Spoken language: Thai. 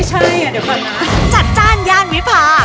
จัดจานยานวิภา